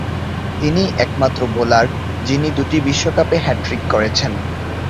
তিনিই একমাত্র বোলার যিনি দু'টি বিশ্বকাপে হ্যাট্রিক করেছেন।